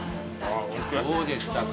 どうでしたか？